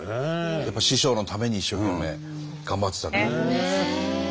やっぱ師匠のために一生懸命頑張ってたんですね。